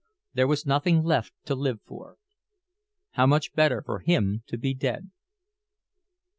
There was nothing left to live for. How much better for him to be dead.